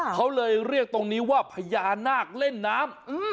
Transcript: เขาเลยเรียกตรงนี้ว่าพญานาคเล่นน้ำ